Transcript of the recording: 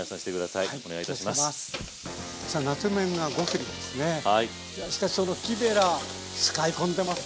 いやしかしその木べら使い込んでますね。